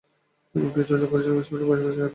তিনি পিএইচডি অর্জন করেছিলেন এবং সেমেটিক ভাষা শেখাতেন।